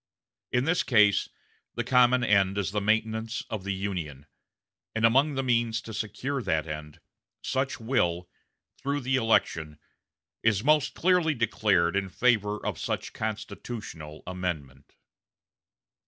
In this case the common end is the maintenance of the Union; and among the means to secure that end, such will, through the election, is most clearly declared in favor of such constitutional amendment."